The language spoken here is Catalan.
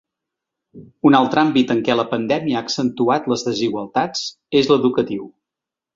Un altre àmbit en què la pandèmia ha accentuat les desigualtats és l’educatiu.